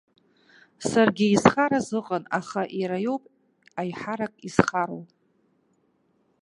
Саргьы исхараз ыҟан, аха иара иоуп аиҳарак зхароу.